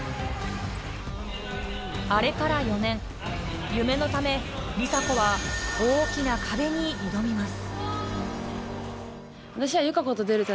あれから４年、夢のため梨紗子は大きな壁に挑みます。